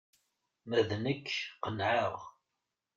Ma d nekk, qenεeɣ.